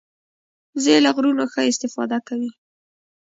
وزې له غرونو ښه استفاده کوي